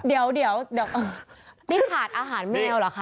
เดี๋ยวนี่ถาดอาหารแมวเหรอคะ